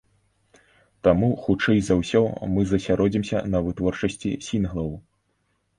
Таму хутчэй за ўсё мы засяродзімся на вытворчасці сінглаў.